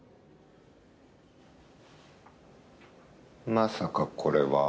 まさかこれは。